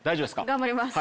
頑張ります。